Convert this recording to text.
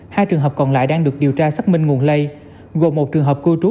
hai trường hợp còn lại đang được điều tra xác minh nguồn lây gồm một trường hợp cư trú